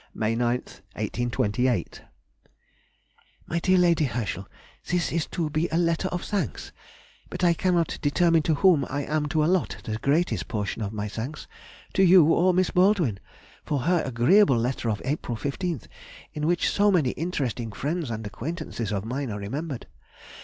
May 9th, 1828. MY DEAR LADY HERSCHEL, This is to be a letter of thanks, but I cannot determine to whom I am to allot the greatest portion of my thanks, to you or Miss Baldwin, for her agreeable letter of April 15th, in which so many interesting friends and acquaintances of mine are remembered.